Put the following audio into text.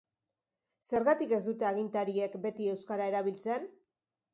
Zergatik ez dute agintariek beti euskara erabiltzen?